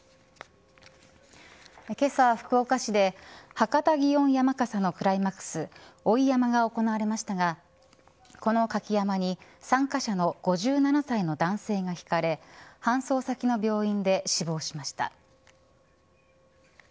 今朝、福岡市で博多祇園山笠のクライマックス追い山笠が行われましたがこのかき山笠に参加者の５７歳の男性がひかれ搬送先の病院で死亡しました。